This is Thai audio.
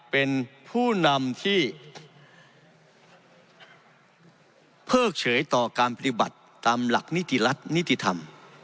เป็นผู้นำที่เพิกเฉยต่อการปฏิบัติตามหลักนิติรัฐนิติธรรม